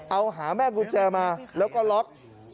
เอาหาแม่กุญแจมาแล้วก็ล็อก